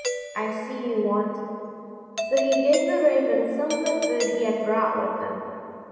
I see you want it." So he gave the raven some of the food he had brought with him.